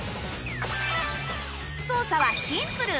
操作はシンプル